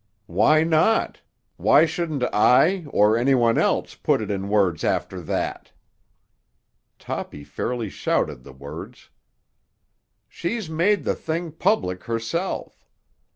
"Why not? Why shouldn't I, or any one else, put it in words after that?" Toppy fairly shouted the words. "She's made the thing public herself.